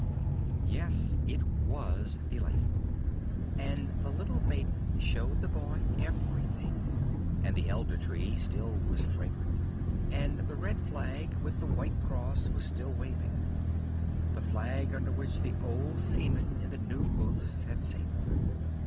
Yes, it was delightful; and the little maiden showed the boy everything; and the Elder Tree still was fragrant, and the red flag, with the white cross, was still waving: the flag under which the old seaman in the New Booths had sailed.